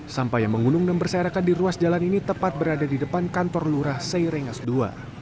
sampah yang mengulung dan berserakan di ruas jalan ini tepat berada di depan kantor lurah seiringas ii